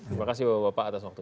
terima kasih bapak bapak atas waktu